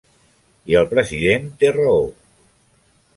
I el President té raó.